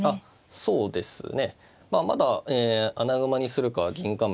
そうですね。